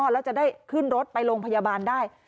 แล้วจะได้ขึ้นรถไปโรงพยาบาลได้